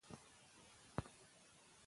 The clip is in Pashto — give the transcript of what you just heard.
دولتي ادارې باید حساب ورکړي.